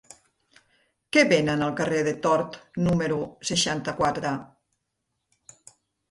Què venen al carrer de Tort número seixanta-quatre?